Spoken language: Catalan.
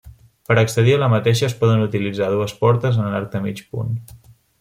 Per accedir a la mateixa es poden utilitzar dues portes en arc de mig punt.